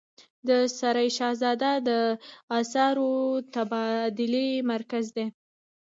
د سرای شهزاده د اسعارو تبادلې مرکز دی